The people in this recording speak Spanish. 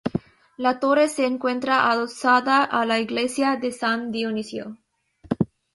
La torre se encuentra adosada a la Iglesia de San Dionisio.